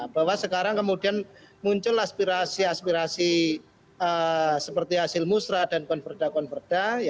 bahwa sekarang kemudian muncul aspirasi aspirasi seperti hasil musrah dan konverda konverda